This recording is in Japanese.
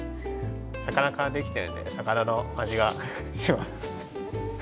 魚からできてるので魚のあじがします。